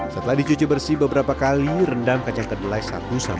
setelah dicuci bersih beberapa kali rendam kacang kedelai satu sampai